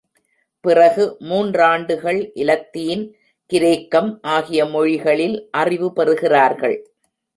பிறகு மூன்றாண்டுகள் இலத்தீன், கிரேக்கம் ஆகிய மொழிகளில் அறிவு பெறுகிறார்கள்.